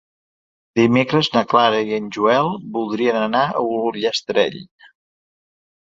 Dimecres na Clara i en Joel voldrien anar a Ullastrell.